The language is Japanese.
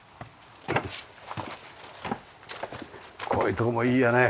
こういうところもいいよね。